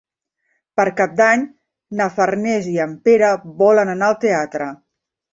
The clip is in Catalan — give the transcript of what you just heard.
Per Cap d'Any na Farners i en Pere volen anar al teatre.